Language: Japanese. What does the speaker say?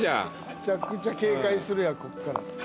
めちゃくちゃ警戒するやんこっから。